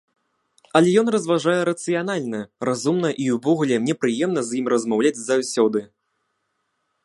Але ён разважае рацыянальна, разумна і ўвогуле мне прыемна з ім размаўляць заўсёды.